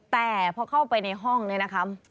แต่พอเข้าไปในห้องเนี่ยนะคะ